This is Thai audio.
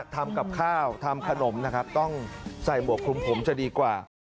ทำกับข้าวทำขนมนะครับต้องใส่หมวกคลุมผมจะดีกว่า